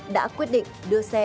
đã quyết định đưa xe